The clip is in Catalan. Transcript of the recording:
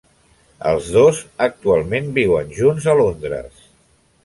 Els dos actualment viuen junts a Londres.